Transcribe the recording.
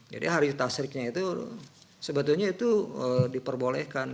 jadi hari tasriknya itu sebetulnya itu diperbolehkan